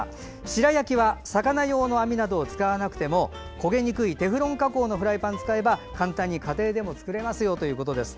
白焼きは魚用の網などを使わなくても焦げにくいテフロン加工のフライパンを使えば簡単に家庭でも作れますよということです。